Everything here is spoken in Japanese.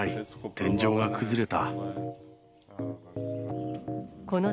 天井が崩れた。